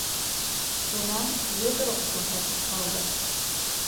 Унан йоҙроҡ күрһәтеп алды.